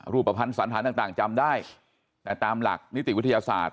รูปภัณฑ์สันธารต่างจำได้แต่ตามหลักนิติวิทยาศาสตร์